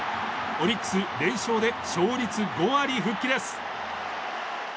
オリックス、連勝で勝率５割復帰です。